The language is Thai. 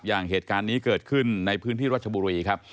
อย่างเหตุการณ์นี้เกิดขึ้นในพื้นที่รัชบุรีครับ